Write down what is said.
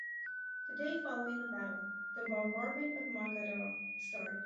The day following the battle, the Bombardment of Mogador started.